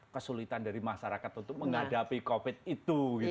kesulitan dari masyarakat untuk menghadapi covid itu